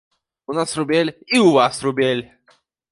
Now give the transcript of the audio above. У нас рубель, і ў вас рубель!